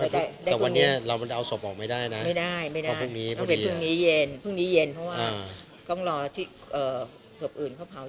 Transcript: แต่วันนี้เราเอาศพออกไม่ได้นะ